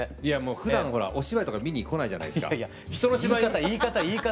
ふだんほらお芝居とか見に来ないじゃないですか。言い方言い方。